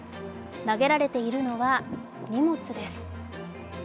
投げられているのは荷物です。